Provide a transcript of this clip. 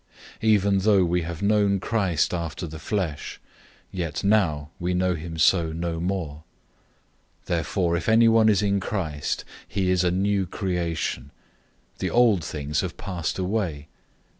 Even though we have known Christ after the flesh, yet now we know him so no more. 005:017 Therefore if anyone is in Christ, he is a new creation. The old things have passed away.